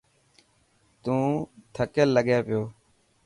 تون ٿڪيل لگي پيو.